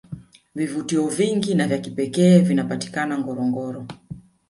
vvivutio vingi na vya kipekee vinapatikana ngorongoro